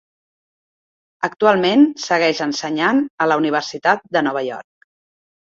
Actualment segueix ensenyant a la Universitat de Nova York.